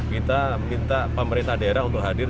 kita minta pemerintah daerah untuk hadir